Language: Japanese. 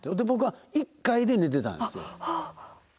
僕は１階で寝てたんですよ。